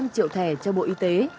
một mươi năm triệu thẻ cho bộ y tế